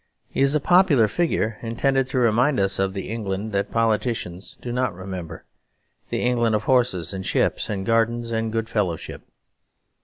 He is a popular figure intended to remind us of the England that politicians do not remember; the England of horses and ships and gardens and good fellowship.